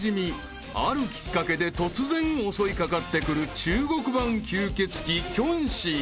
［あるきっかけで突然襲い掛かってくる中国版吸血鬼キョンシー］